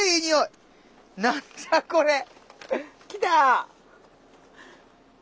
何じゃこれ！来た！